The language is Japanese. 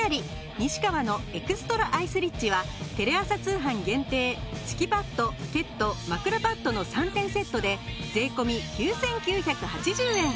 西川のエクストラアイスリッチはテレ朝通販限定敷きパッドケット枕パッドの３点セットで税込９９８０円。